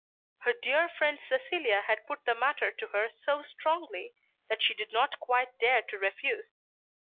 Her dear friend Cecilia had put the matter to her so strongly that she did not quite dare to refuse.